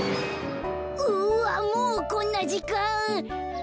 うわもうこんなじかん！